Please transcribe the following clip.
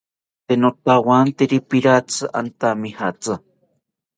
Tee notawantari piratzi antamijatzi